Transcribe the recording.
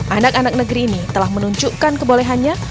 anak anak negeri ini telah menunjukkan kebolehannya